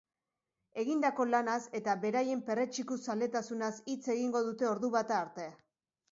Egindako lanaz eta beraien perretxiku zaletasunaz hitz egingo dute ordubata arte.